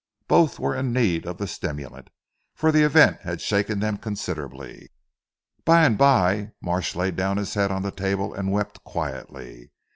Both were in need of the stimulant, for the event had shaken them considerably. By and bye Marsh laid down his head on the table and wept quietly.